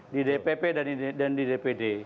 di dpp dan di dpd